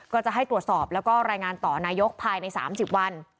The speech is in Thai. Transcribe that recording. ก็จะให้ตรวจสอบแล้วก็รายงานต่อนายกภายใน๓๐วัน